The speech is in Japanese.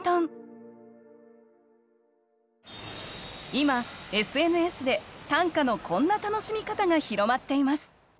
今ＳＮＳで短歌のこんな楽しみ方が広まっています。